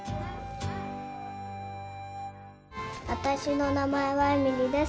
私の名前はえみりです。